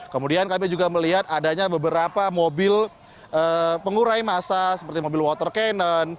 kemudian kami juga melihat adanya beberapa mobil pengurai masa seperti mobil water cannon